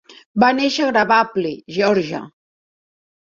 Va néixer a Crabapple, Geòrgia.